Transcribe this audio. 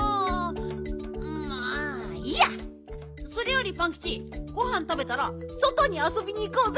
それよりパンキチごはんたべたらそとにあそびにいこうぜ！